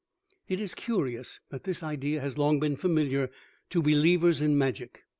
It is curious that this idea has long been familiar to believers in magic.